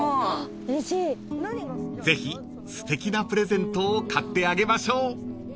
［ぜひすてきなプレゼントを買ってあげましょう］